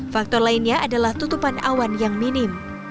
faktor lainnya adalah tutupan awan yang minim